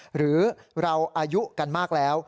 หรือเราอายุกันมากแล้ว